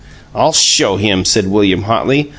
"I'll show him!" said William, hotly.